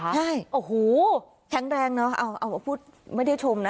ใช่โอ้โหแข็งแรงเนอะเอาพูดไม่ได้ชมนะ